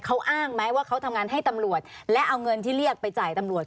เขาอ้างไหมว่าเขาทำงานให้ตำรวจและเอาเงินที่เรียกไปจ่ายตำรวจ